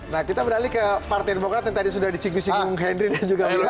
nah kita beralih ke partai demokrat yang tadi sudah disingkir singkir henry dan juga belan